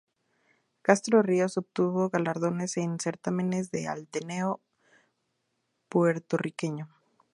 Castro Ríos obtuvo galardones en certámenes del Ateneo Puertorriqueño.